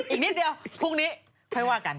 อีกนิดเดียวพรุ่งนี้ค่อยว่ากัน